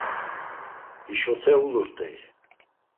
Hişote ulurt̆ey.